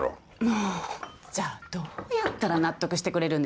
もうじゃあどうやったら納得してくれるんですか？